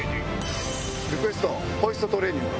リクエストホイストトレーニング。